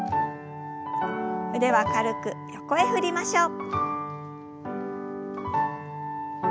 腕は軽く横へ振りましょう。